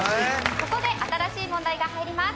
ここで新しい問題が入ります。